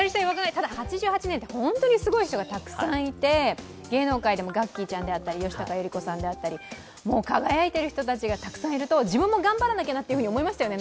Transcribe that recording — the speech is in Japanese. ただ８８年って本当にすごい人がたくさんいて芸能界でもガッキーちゃんであったり、吉高由里子さんであったり輝いている人たちがたくさんいると、自分も頑張らなくちゃと思いましたよね。